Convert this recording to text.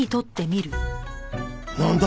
なんだ？